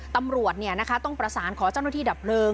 ตำรวจต้องประสานขอเจ้าหน้าที่ดับเพลิง